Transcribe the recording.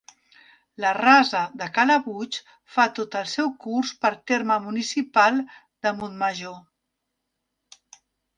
La Rasa de Calabuig fa tot el seu curs pel terme municipal de Montmajor.